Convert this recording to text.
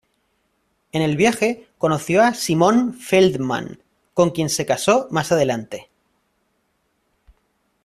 En el viaje conoció a Simón Feldman con quien se casó más adelante.